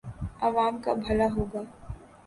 عوام کا بھلا ہو گا۔